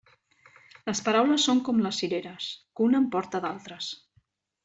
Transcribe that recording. Les paraules són com les cireres, que una en porta d'altres.